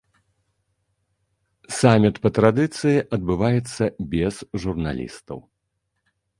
Саміт па традыцыі адбываецца без журналістаў.